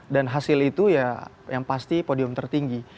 dan hasil itu ya yang pasti podium tertinggi